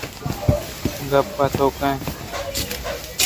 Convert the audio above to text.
کپ ئےِ توک ءِ